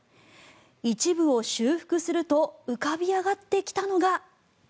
一部を修復すると浮かび上がってきたのが。